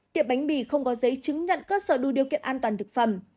tiệm bánh mì không có giấy chứng nhận cơ sở đủ điều kiện an toàn thực phẩm